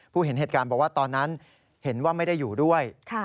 เห็นเหตุการณ์บอกว่าตอนนั้นเห็นว่าไม่ได้อยู่ด้วย